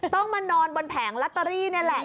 ต้องมานอนบนแผงลอตเตอรี่นี่แหละ